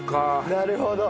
なるほど。